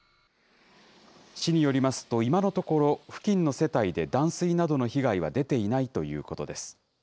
市によりますと、今のところ付近の世帯で断水などの被害は出ていないということです。